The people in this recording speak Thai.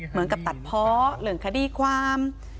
เหมือนกับตัดเพาะเรื่องคดีความ